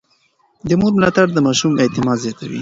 د مور ملاتړ د ماشوم اعتماد زياتوي.